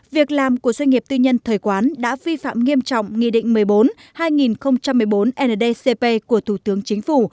việc làm của doanh nghiệp tư nhân thời quán đã vi phạm nghiêm trọng nghị định một mươi bốn hai nghìn một mươi bốn ndcp của thủ tướng chính phủ